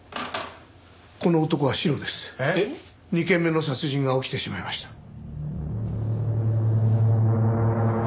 ２件目の殺人が起きてしまいました。